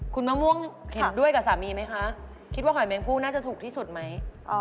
คุณมะม่วงเห็นด้วยกับสามีไหมคะคิดว่าหอยแมงผู้น่าจะถูกที่สุดไหม